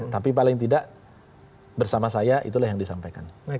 tapi paling tidak bersama saya itulah yang disampaikan